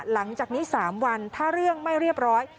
หลังจากนี้๓วันถ้าเรื่องไม่เรียบร้อย